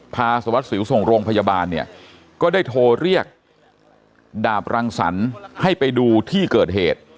สวัสดิสิวส่งโรงพยาบาลเนี่ยก็ได้โทรเรียกดาบรังสรรค์ให้ไปดูที่เกิดเหตุ